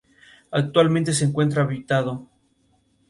Sus obras fueron casi todas escritas en castellano.